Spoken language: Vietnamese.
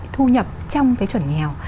thu nhập trong cái chuẩn nghèo